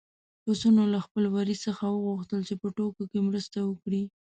پسونو له خپل وري څخه وغوښتل چې په ټوکو کې مرسته وکړي.